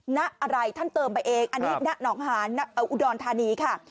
ณอะไรท่านเติมไปเองอันนี้ณหนองหานอุดรธานีค่ะ